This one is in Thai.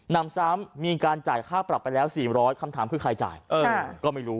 นำซ้ำมีการจ่ายค่าปรับไปแล้ว๔๐๐คำถามคือใครจ่ายก็ไม่รู้